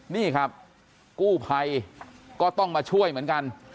นี่ครับกู้ภัยก็ต้องมาช่วยเหมือนกัน